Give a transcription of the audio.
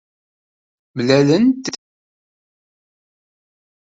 Mlalent-d yiwen n wugur d ameqran.